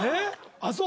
ああそう。